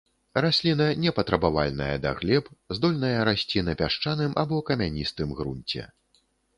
Расліна не патрабавальная да глеб, здольная расці на пясчаным або камяністым грунце.